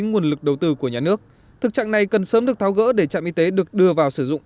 nguồn lực đầu tư của nhà nước thực trạng này cần sớm được tháo gỡ để trạm y tế được đưa vào sử dụng